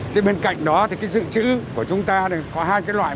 thì bên cạnh đó thì cái dự trữ của chúng ta có hai cái loại